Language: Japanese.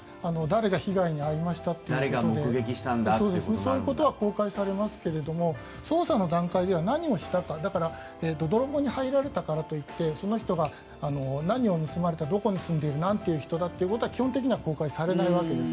そういうことは公開されますが捜査の段階では何をしたかだから泥棒に入られたからといってその人が何を盗まれたどこに住んでいてなんという人だというのは基本的には公開されないわけです。